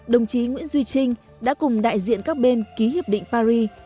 đồng chí nguyễn duy trinh đã cùng đại diện các bên ký hiệp định paris